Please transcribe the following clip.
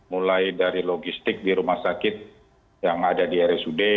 mulai dari logistik di rumah sakit yang ada di rsud